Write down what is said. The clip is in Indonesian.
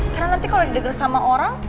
karena nanti kalau didegel sama orang